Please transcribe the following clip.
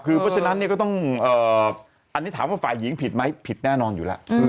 คือเพราะฉะนั้นก็ต้องอันนี้ถามว่าฝ่ายหญิงผิดไหมผิดแน่นอนอยู่แล้ว